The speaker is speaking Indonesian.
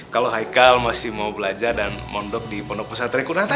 kalau haikal masih mau belajar dan mondok di pondok pesantren